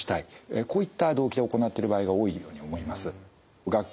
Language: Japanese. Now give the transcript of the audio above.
こういった動機で行ってる場合が多いように思います。